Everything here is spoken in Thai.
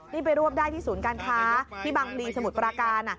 นี่ไปรวบได้ที่ศูนย์การค้าที่บางพลีสมุทรปราการ